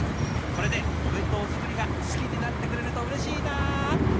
これでお弁当作りが好きになってくれるとうれしいな！